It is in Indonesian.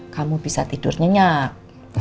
kamu bisa tidurnya nyak